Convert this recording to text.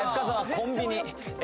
コンビニえ